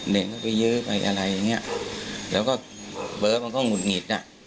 เด็กก็ไปยื้อไปอะไรอย่างเงี้ยแล้วก็เบิร์ตมันก็หงุดหงิดอ่ะ